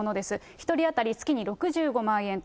１人当たり月に６５万円と。